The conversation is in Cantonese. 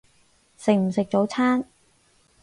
食唔食早餐？